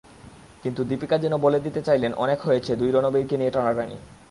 কিন্তু দীপিকা যেন বলে দিতে চাইলেন অনেক হয়েছে দুই রণবীরকে নিয়ে টানাটানি।